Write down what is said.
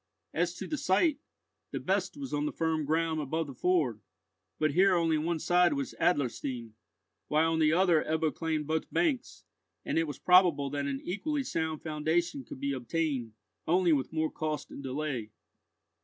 As to the site, the best was on the firm ground above the ford; but here only one side was Adlerstein, while on the other Ebbo claimed both banks, and it was probable that an equally sound foundation could be obtained, only with more cost and delay.